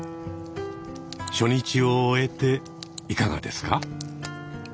初日を終えていかがですか？